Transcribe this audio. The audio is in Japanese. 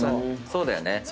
そうだよね。